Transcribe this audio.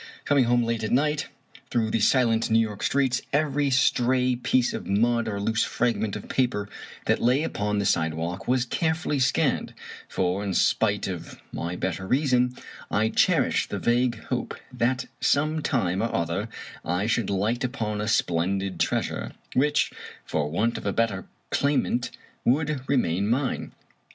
Coming home late at night, through the silent New York streets, every stray piece of mud or loose frag ment of paper that lay upon the sidewalk was carefully scanned ; for, in spite of my better reason, I cherished the vague hope that some time or other I should light upon a splendid treasure, which, for want of a better claimant, would remain mine.